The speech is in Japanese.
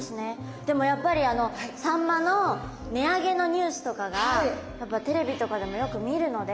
でもやっぱりサンマの値上げのニュースとかがテレビとかでもよく見るので。